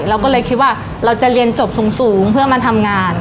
เราก็เลยคิดว่าเราจะเรียนจบสูงเพื่อมาทำงาน